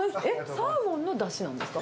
サーモンのだしなんですか？